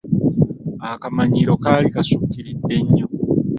Akamanyiiro kaali kasukkiridde nnyo.